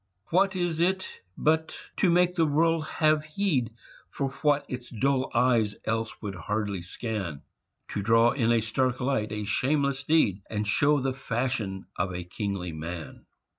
What is it but to make the world have heed For what its dull eyes else would hardly scan, To draw in a stark light a shameless deed, And show the fashion of a kingly man!